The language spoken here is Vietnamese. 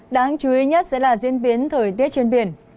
đáng chú ý nhất sẽ là diễn biến thời tiết trên biển